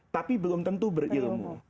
tapi belum tentu berilmu